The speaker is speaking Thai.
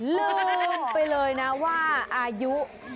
ลืมไปเลยนะว่าอายุ